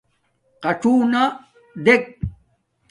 قڅُونݳ دݵک.